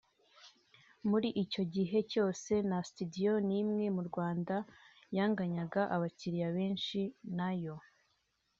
muri icyo gihe cyose nta studio nimwe mu Rwanda yanganyaga abakiliya benshi nayo